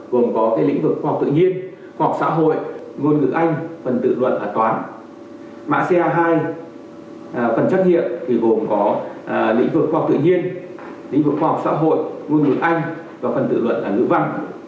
gồm có cái lĩnh vực khoa học tự nhiên khoa học xã hội ngôn ngữ anh phần tự luận và toán